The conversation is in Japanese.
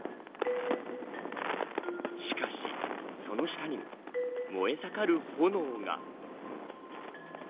しかし、その下には燃えさかる炎が。